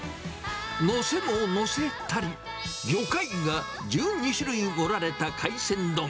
載せも載せたり、魚介が１２種類盛られた海鮮丼。